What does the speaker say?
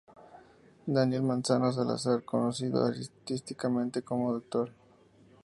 Daniel Manzano Salazar conocido artísticamente como Dr.